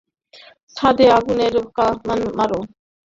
ছাদে আগুনের কামান মার!